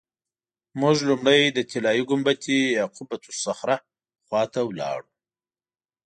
موږ لومړی د طلایي ګنبدې یا قبة الصخره خوا ته ولاړو.